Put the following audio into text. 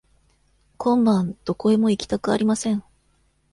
今晩どこへも行きたくありません。